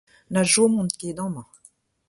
Na chomomp ket amañ.